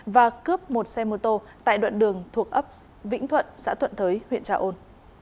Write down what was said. và cướp một xe mô tô tại đoạn đường thuộc ấp vĩnh thuận xã thuận thới huyện trà ôn